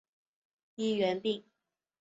医源病。